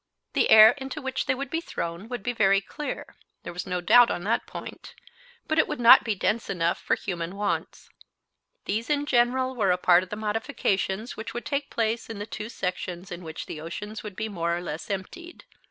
The air into which they would be thrown would be very clear; there was no doubt on that point, but it would not be dense enough for human wants. These in general were a part of the modifications which would take place in the two sections in which the oceans would be more or less emptied.